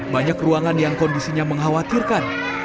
banyak ruangan yang kondisinya mengkhawatirkan